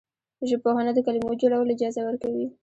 ژبپوهنه د کلمو جوړول اجازه ورکوي.